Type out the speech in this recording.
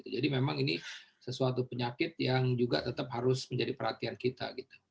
jadi memang ini sesuatu penyakit yang juga tetap harus menjadi perhatian kita